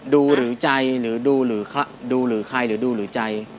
ดูหรือใจหรือดูหรือใครหรือดูหรือใจ